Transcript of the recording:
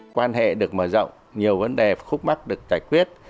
quan hệ được mở rộng nhiều vấn đề khúc mắc được giải quyết